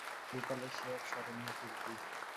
গোপালের সে এক স্মরণীয় কীর্তি।